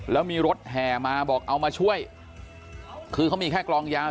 แล้วมีรถแห่มาบอกเอามาช่วยคือเขามีแค่กลองยาว